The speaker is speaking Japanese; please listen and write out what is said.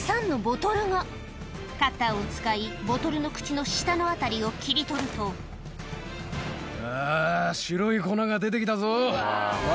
カバンにはカッターを使いボトルの口の下の辺りを切り取るとあぁ白い粉が出て来たぞ。